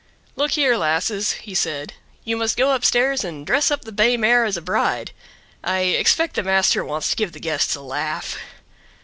"Look here, lasses," he said; "you must go upstairs and dress up the bay mare as bride. I expect the master wants to give the guests a laugh."